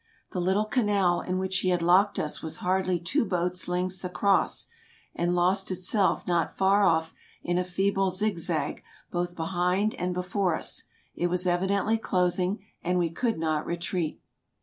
The little canal in which he had locked us was hardly two boats ' lengths across, and lost itself not far off in a feeble zigzag both behind and before us ; it was evi dently closing, and we could not retreat.